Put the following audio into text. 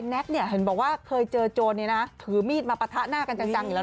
แน็กเห็นบอกว่าเคยเจอจนถือมีดมาปะทะหน้าการจังอยู่แล้ว